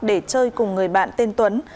để chơi cùng người bạn tên tuấn